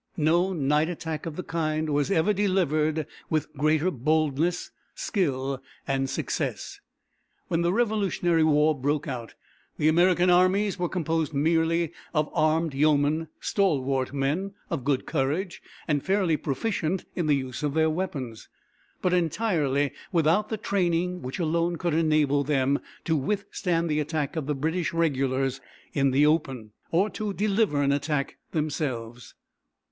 No night attack of the kind was ever delivered with greater boldness, skill, and success. When the Revolutionary War broke out the American armies were composed merely of armed yeomen, stalwart men, of good courage, and fairly proficient in the use of their weapons, but entirely without the training which alone could enable them to withstand the attack of the British regulars in the open, or to deliver an attack themselves.